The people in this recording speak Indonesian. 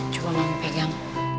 coba mami pegang